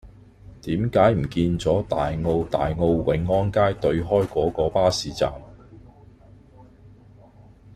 點解唔見左大澳大澳永安街對開嗰個巴士站